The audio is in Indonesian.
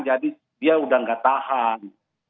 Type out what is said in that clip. jadi dia sudah tidak tahan